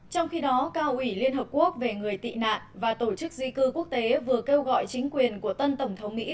trong khi đó cao ủy liên hợp quốc về người tị nạn và tổ chức di cư quốc tế vừa kêu gọi chính quyền của tân tổng thống mỹ